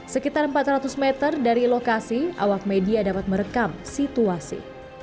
sekitar empat ratus meter dari lokasi awak media dapat merekam situasi